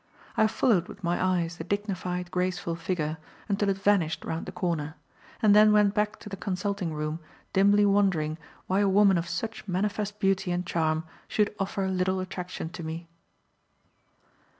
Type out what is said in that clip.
I followed with my eyes the dignified, graceful figure until it vanished round the corner, and then went back to the consulting room dimly wondering why a woman of such manifest beauty and charm should offer little attraction to me.